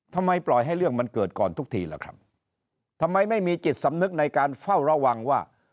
ทำไมปล่อยให้เรื่องมันเกิดก่อนทุกทีล่ะครับทำไมไม่มีจิตสำนึกในการเฝ้าระวังว่า